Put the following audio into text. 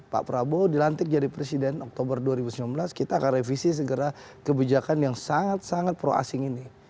pak prabowo dilantik jadi presiden oktober dua ribu sembilan belas kita akan revisi segera kebijakan yang sangat sangat pro asing ini